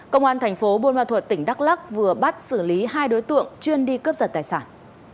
công an thành phố buôn ma thuật tỉnh đắk lắc vừa bắt xử lý hai đối tượng chuyên đi cướp giật tài sản